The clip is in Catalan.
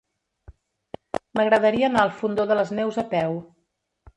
M'agradaria anar al Fondó de les Neus a peu.